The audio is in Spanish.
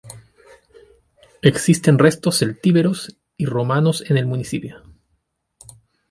Existen restos celtíberos y romanos en el municipio.